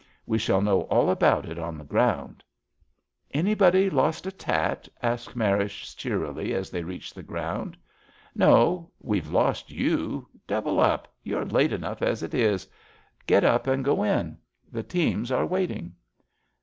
We shall know all about it on the ground." ^* Anybody lost a tat? "asked Marish cheerily as they reached the ground. No, '' SLEIPNEE/^ LATE ^^THUEINDA '' 141 weVe lost j/o^i. Double up. You^re late enough as it is. Get up and go in. The teams are wait ing.